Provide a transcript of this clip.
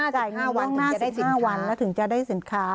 จ่ายเงินล่วงหน้า๑๕วันถึงจะได้สินค้า